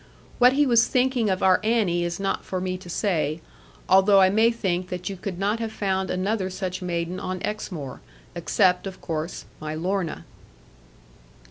What he was thinking of our Annie is not for me to say, although I may think that you could not have found another such maiden on Exmoor, except (of course) my Lorna.